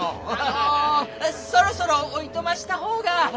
あのそろそろおいとました方が。